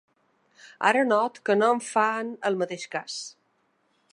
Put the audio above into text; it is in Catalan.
Ara noto que no em fan el mateix cas.